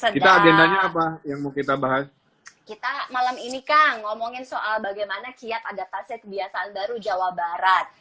kita agendanya apa yang mau kita bahas kita malam ini kang ngomongin soal bagaimana kiat adaptasi kebiasaan baru jawa barat